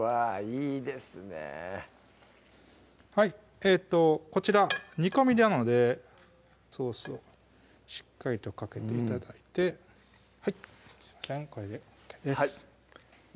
いいですねこちら煮込みなのでソースをしっかりとかけて頂いてすいません